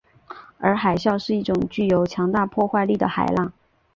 而海啸是一种具有强大破坏力的海浪。